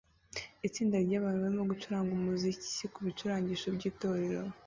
Itsinda ryabantu barimo gucuranga umuziki kubicurarangisho byitorero